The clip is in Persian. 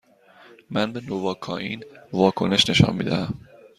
من به نواکائین واکنش نشان می دهم.